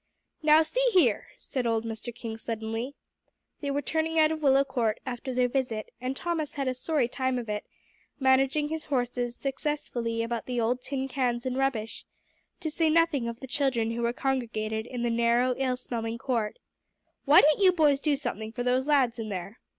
"Now see here," said old Mr. King suddenly. They were turning out of Willow Court, after their visit, and Thomas had a sorry time of it, managing his horses successfully about the old tin cans and rubbish, to say nothing of the children who were congregated in the narrow, ill smelling court. "Why don't you boys do something for those lads in there?"